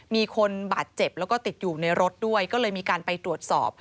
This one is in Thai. มีคนบาดเจ็บแล้วก็ติดอยู่ในรถด้วยก็เลยมีการไปตรวจสอบ